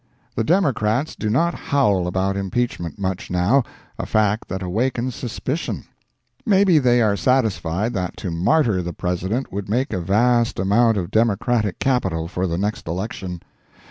The Democrats do not howl about impeachment much now, a fact that awakens suspicion. Maybe they are satisfied that to martyr the President would make a vast amount of Democratic capital for the next election.